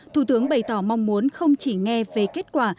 một mươi bốn chín thủ tướng bày tỏ mong muốn không chỉ nghe về kết quả